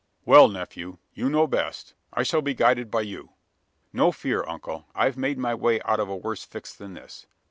"Well, nephew, you know best: I shall be guided by you." "No fear, uncle. I've made my way out of a worse fix than this.